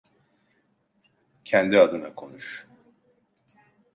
Kendi adına konuş.